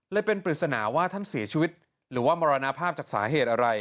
เป็นปริศนาว่าท่านเสียชีวิตหรือว่ามรณภาพจากสาเหตุอะไร